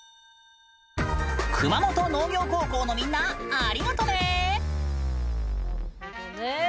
熊本農業高校のみんなありがとね。